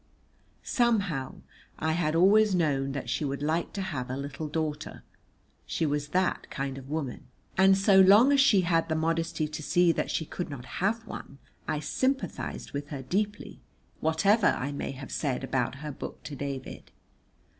Somehow I had always known that she would like to have a little daughter, she was that kind of woman, and so long as she had the modesty to see that she could not have one, I sympathised with her deeply, whatever I may have said about her book to David.